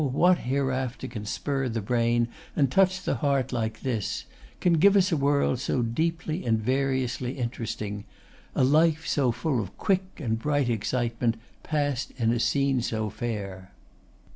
what hereafter can spur the brain and touch the heart like this; can give us a world so deeply and variously interesting; a life so full of quick and bright excitement, passed in a scene so fair?